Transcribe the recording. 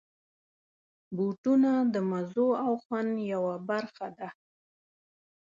بوټونه د مزو او خوند یوه برخه ده.